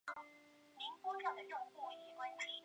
帕拉维奇尼宫是奥地利首都维也纳的一座宫殿建筑。